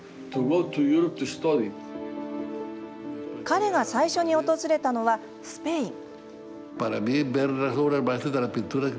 彼が最初に訪れたのはスペイン。